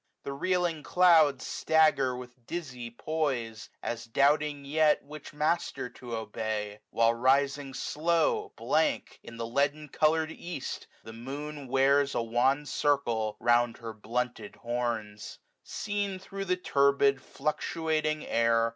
The reeling clouds Stagger with dizzy poise, as doubting yet Which master to obey : while rising slow. Blank, in the leaden colour'd east, the moon Wears a wan circle round her blunted horns, 12^ Seen thro' the turbid fluctuating air.